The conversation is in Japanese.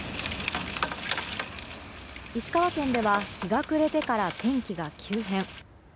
石川県では日が暮れてから天気が急変。